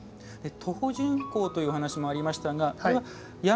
徒歩巡行というお話もありましたが。